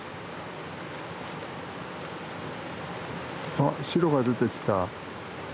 あっシロが出てきた。